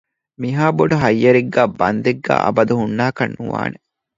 މިހާ ބޮޑު ހައްޔަރެއްގައި ބަންދެއްގައި އަބަދު ހުންނާކަށް ނުވާނެ